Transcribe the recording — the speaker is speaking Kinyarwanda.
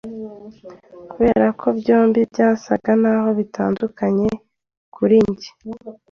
Kubera ko byombi byasaga naho bitandukanye kuri njye